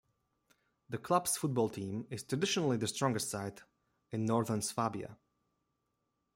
The clubs football team is traditionally the strongest side in northern Swabia.